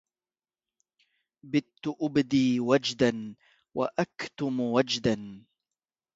بت أبدي وجدا وأكتم وجدا